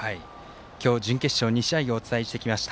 今日、準決勝２試合をお伝えしてきました。